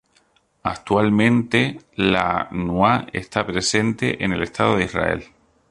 Actualmente, la "tnuá" está presente en el Estado de Israel.